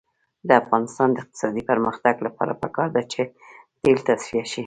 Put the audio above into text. د افغانستان د اقتصادي پرمختګ لپاره پکار ده چې تیل تصفیه شي.